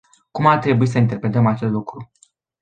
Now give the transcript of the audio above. Cum ar trebui să interpretăm acest lucru?